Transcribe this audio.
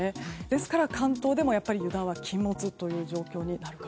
ですから関東でも油断は禁物という状況です。